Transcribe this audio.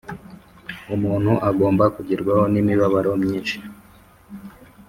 Umuntu agomba kugerwaho n imibabaro myinshi